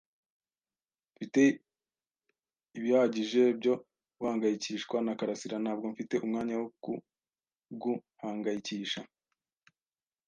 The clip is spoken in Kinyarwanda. Mfite ibihagije byo guhangayikishwa na karasira. Ntabwo mfite umwanya wo kuguhangayikisha.